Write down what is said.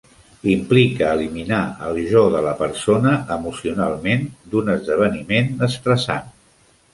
Implica eliminar el jo de la persona, emocionalment, d'un esdeveniment estressant.